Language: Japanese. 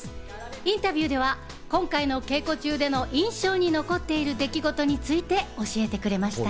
インタビューでは今回の稽古中での印象に残っている出来事について教えてくれました。